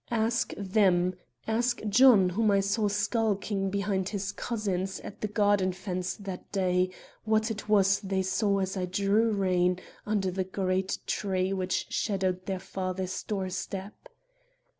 Ask them, ask John, whom I saw skulking behind his cousins at the garden fence that day, what it was they saw as I drew rein under the great tree which shadowed their father's doorstep.